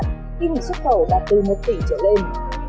khi nguồn xuất khẩu đạt từ một tỷ usd trở lên